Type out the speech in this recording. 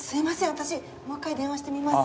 私もう１回電話してみます。